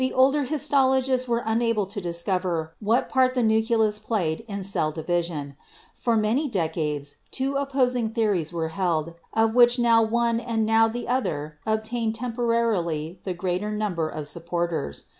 The older histologists were unable to discover what part the nucleus played in cell division. For many decades two opposing theories were held, of which now one and now the other obtained temporarily the greater number of supporters.